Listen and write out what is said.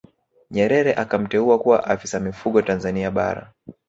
Nyerere akamteua kuwa Afisa Mifugo Tanzania Bara